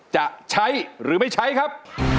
จะใช้หรือไม่ใช้ครับ